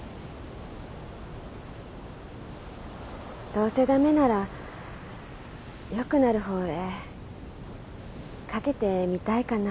どうせダメならよくなるほうへ賭けてみたいかな。